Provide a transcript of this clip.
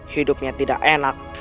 hidupnya tidak enak